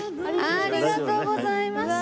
ありがとうございます。